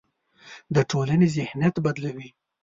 د ټولنې ذهنیت بدلوي.